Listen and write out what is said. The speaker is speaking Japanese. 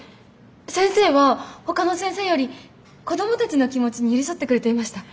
先生はほかの先生より子どもたちの気持ちに寄り添ってくれていました。